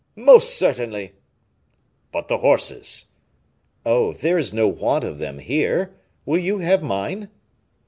"Most certainly." "But the horses?" "Oh! there is no want of them here. Will you have mine?"